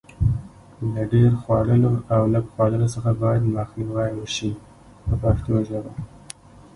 له ډېر خوړلو او لږ خوړلو څخه باید مخنیوی وشي په پښتو ژبه.